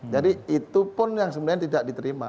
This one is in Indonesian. jadi itu pun yang sebenarnya tidak diterima